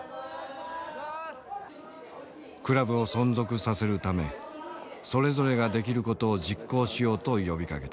クラブを存続させるためそれぞれができることを実行しようと呼びかけた。